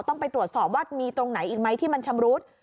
ต้องไปตรวจสอบว่ามีตรงไหนอีกไหมที่มันชำรุด